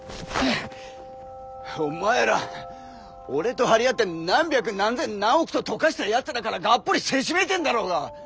お前ら俺と張り合って何百何千何億と溶かしたやつらからがっぽりせしめてんだろうが！